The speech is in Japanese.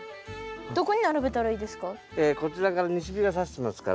どこに並べたらいいですか？